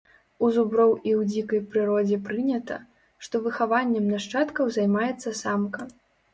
У зуброў і ў дзікай прыродзе прынята, што выхаваннем нашчадкаў займаецца самка.